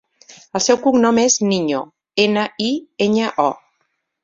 El seu cognom és Niño: ena, i, enya, o.